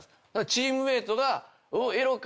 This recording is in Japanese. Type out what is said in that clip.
チームメートが「エロか？